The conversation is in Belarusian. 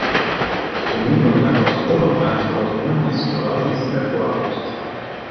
Унутраная прастора мае суразмернасць, выразнасць і акуратнасць.